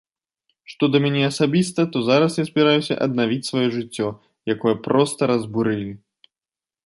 Што да мяне асабіста, то зараз я збіраюся аднавіць сваё жыццё, якое проста разбурылі.